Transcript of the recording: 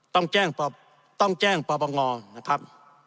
ต้องแจ้งประบังงอนะครับ